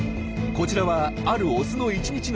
こちらはあるオスの１日の動き。